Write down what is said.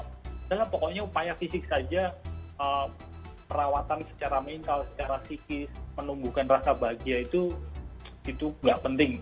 kita pokoknya upaya fisik saja perawatan secara mental secara psikis menumbuhkan rasa bahagia itu nggak penting